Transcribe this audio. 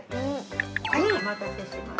お待たせしました。